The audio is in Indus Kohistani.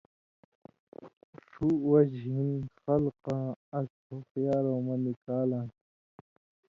ݜُو وجہۡ ہِن خلکاں اَس ہُخیارؤں مہ نی کالاں تھہ۔